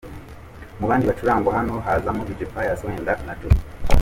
Mu bandi bacurangwa hano hazamo Dj Pius wenda na Jody.